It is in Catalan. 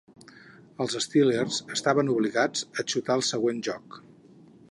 Els Steelers estaven obligats a xutar al següent joc.